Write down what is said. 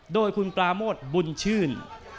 โดยคุณปราโมทบุญชื่น